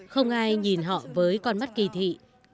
không ai nhìn họ với con mắt kỳ thị